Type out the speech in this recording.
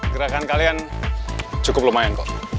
gerakan kalian cukup lumayan kok